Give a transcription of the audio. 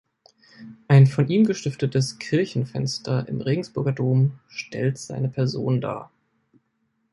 Ein von ihm gestiftetes Kirchenfenster im Regensburger Dom stellt seine Person dar.